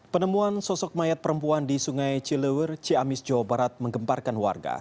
penemuan sosok mayat perempuan di sungai cilewur ciamis jawa barat menggemparkan warga